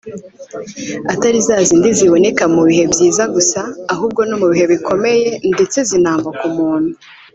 atari za zindi ziboneka mu bihe byiza gusa ahubwo no mu bihe bikomeye ndetse zinamba ku muntu